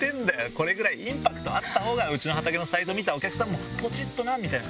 これぐらいインパクトあったほうがうちの畑のサイト見たお客さんもポチっとな！